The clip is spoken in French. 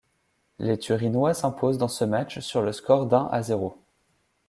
Les Turinois s'imposent dans ce match sur le score d'un à zéro.